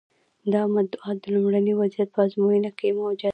دا مدعا د لومړني وضعیت په ازموینو کې موجه شوه.